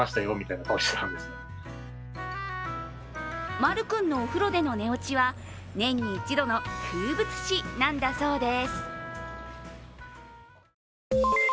まるくんのお風呂での寝落ちは年に一度の風物詩なんだそうです。